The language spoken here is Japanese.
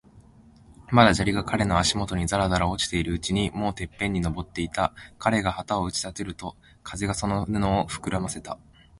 まだ砂利が彼の足もとにざらざら落ちているうちに、もうてっぺんに登っていた。彼が旗を打ち立てると、風がその布をふくらませた。